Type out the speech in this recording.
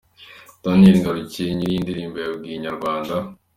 Daniel Ngarukiye nyiri iyi ndirimbo yabwiye Inyarwanda.